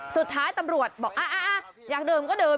สุดท้ายตำรวจบอกอยากดื่มก็ดื่ม